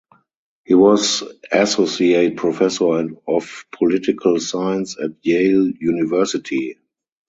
He was Associate Professor of Political Science at Yale University.